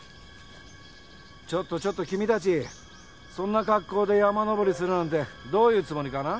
ちょっとちょっと君たちそんな格好で山登りするなんてどういうつもりかな？